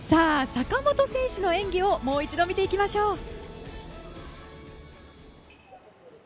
坂本選手の演技をもう一度見ていきましょう。